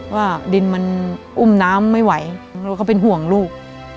ว่าดินมันอุ้มน้ำไม่ไหวเขาเป็นห่วงลูก